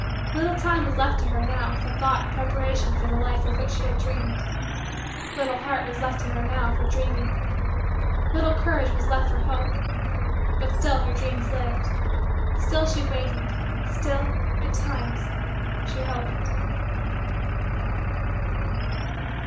Little time was left to her, now, for thought and preparation for the life of which she had dreamed. Little heart was left to her, now, for dreaming. Little courage was left for hope. But still her dreams lived. Still she waited. Still, at times, she hoped.